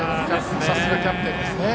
さすがキャプテンですね。